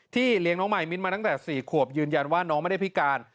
เลี้ยงน้องมายมิ้นมาตั้งแต่๔ขวบยืนยันว่าน้องไม่ได้พิการ